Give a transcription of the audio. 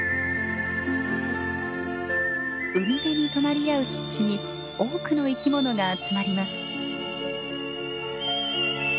海辺に隣り合う湿地に多くの生き物が集まります。